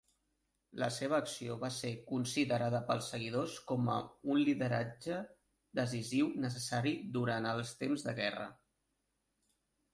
La seva acció va ser considerada pels seguidors com a un lideratge decisiu necessari durant els temps de guerra.